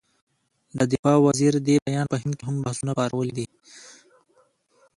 د دفاع وزیر دې بیان په هند کې هم بحثونه پارولي دي.